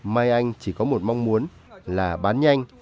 mai anh chỉ có một mong muốn là bán nhanh